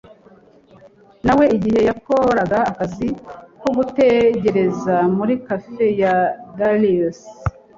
na we igihe yakoraga akazi ko gutegereza muri cafe ya dallas